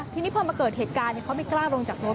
ทีนี้พอมาเกิดเหตุการณ์เขาไม่กล้าลงจากรถ